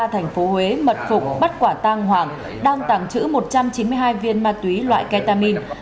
thành phố huế mật phục bắt quả tang hoàng đang tàng trữ một trăm chín mươi hai viên ma túy loại ketamin